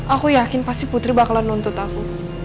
aku yakin pasti putri bakalan nuntut aku